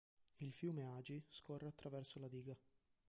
Il fiume Agi scorre attraverso la diga.